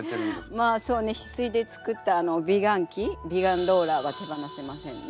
まあそうね翡翠で作った美顔器美顔ローラーは手放せませんね。